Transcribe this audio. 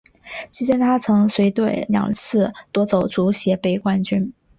期间她曾随队两次夺得足协杯冠军。